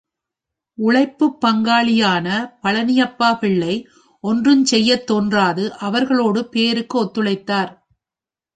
உழைப்புப் பங்காளியான பழனியாப் பிள்ளை ஒன்றுஞ் செய்யத் தோன்றாது அவர்களோடு பேருக்கு ஒத்துழைத்தார்.